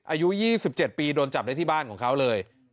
อายุ๒๗ปีโดนจับได้ที่บ้านของเขาเลย